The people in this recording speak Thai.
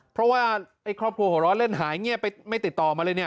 เพราะว่าไอ้ครอบครัวหัวร้อนเล่นหายเงียบไปไม่ติดต่อมาเลยเนี่ย